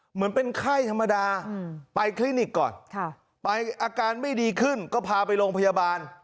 เหมือนเป็นไข้ธรรมดาไปคลินิกก่อนไปอาการไม่ดีขึ้นก็พาไปโรงพยาบาล